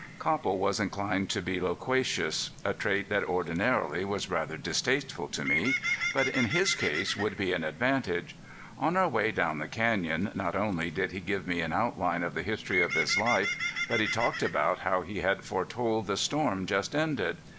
Copple was inclined to be loquacious a trait that ordinarily was rather distasteful to me, but in his case would be an advantage. On our way down the canyon not only did he give me an outline of the history of his life, but he talked about how he had foretold the storm just ended.